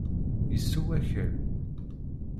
Yessew akal.